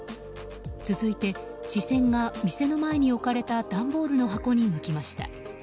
続いて視線が店の前に置かれた段ボールの箱に向きました。